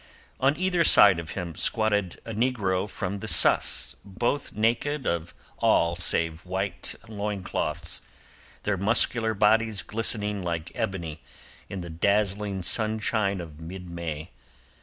On either side of him squatted a negro from the Sus both naked of all save white loin cloths, their muscular bodies glistening like ebony in the dazzling sunshine of mid May.